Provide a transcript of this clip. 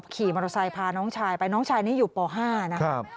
ขี่มอเตอร์ไซค์พาน้องชายไปน้องชายนี้อยู่ป๕นะครับ